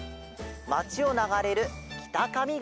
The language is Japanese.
まちをながれるきたかみがわ！